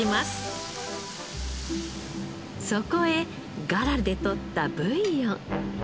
そこへガラで取ったブイヨン。